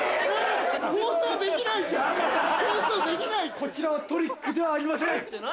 こちらはトリックではありません。